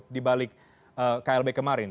dibalik klb kemarin